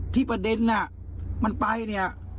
ประเด็นน่ะมันไปเนี่ย